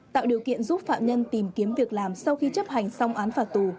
tạo điều kiện giúp phạm nhân tìm kiếm việc làm sau khi chấp hành xong án phạt tù